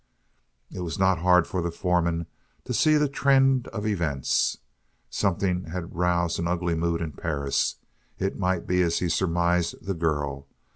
It was not hard for the foreman to see the trend of events. Something had roused an ugly mood in Perris. It might be, as he surmised, the girl.